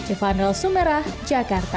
ivana sumerah jakarta